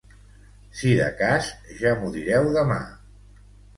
Si de cas, ja m'ho direu demà.